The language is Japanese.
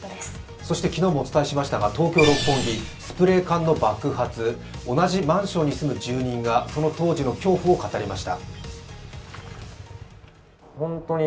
そして昨日もお伝えしましたが東京・六本木でスプレー缶の爆発、同じマンションに住む住民がその当時の恐怖を語りました。